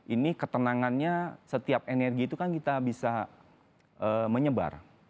ini ketenangannya setiap energi itu kan kita bisa menyebar